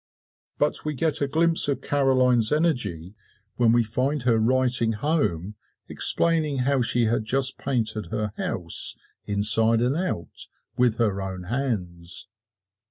But we get a glimpse of Caroline's energy when we find her writing home explaining how she had just painted her house, inside and out, with her own hands.